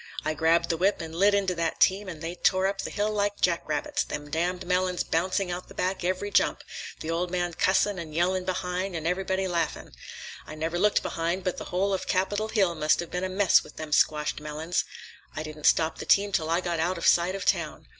I grabbed the whip and lit into that team, and they tore up the hill like jack rabbits, them damned melons bouncing out the back every jump, the old man cussin' an' yellin' behind and everybody laughin'. I never looked behind, but the whole of Capitol Hill must have been a mess with them squashed melons. I didn't stop the team till I got out of sight of town.